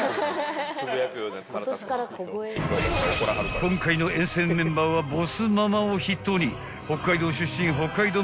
［今回の遠征メンバーはボスママを筆頭に北海道出身北海道ママ］